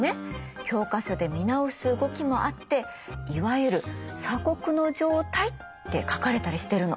教科書で見直す動きもあって「いわゆる鎖国の状態」って書かれたりしてるの。